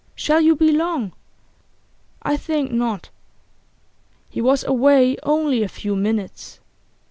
'Shall you be long?' 'I think not.' He was away only a few minutes.